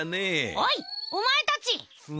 おいお前たち！